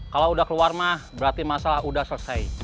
kalau udah keluar mah berarti masalah udah selesai